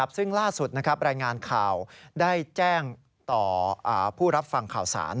ซึ่งล่าสุดรายงานข่าวได้แจ้งต่อผู้รับฟังข่าวสาร